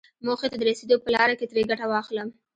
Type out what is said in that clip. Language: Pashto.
موخې ته د رسېدو په لاره کې ترې ګټه واخلم.